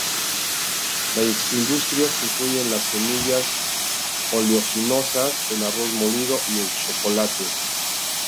Las industrias incluyen las semillas oleaginosas, el arroz molido y el chocolate.